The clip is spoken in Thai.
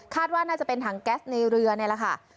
คาดว่าน่าจะเป็นถังแก๊ซในรื่อง่ายละค่ะ